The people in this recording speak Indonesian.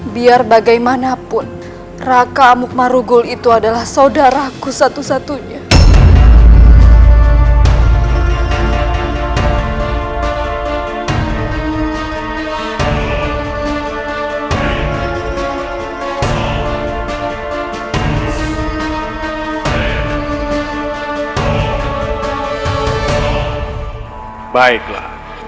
biar bagaimanapun raka amuk marugul itu adalah saudaraku satu satunya